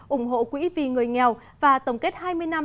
ủng hộ quỹ vì người nghèo và tổng kết hai mươi năm